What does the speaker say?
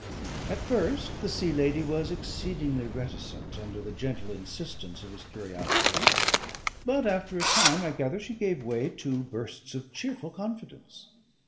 At first the Sea Lady was exceedingly reticent under the gentle insistence of his curiosity, but after a time, I gather, she gave way to bursts of cheerful confidence.